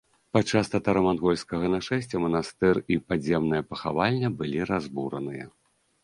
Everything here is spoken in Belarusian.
Падчас татара-мангольскага нашэсця манастыр і падземная пахавальня былі разбураныя.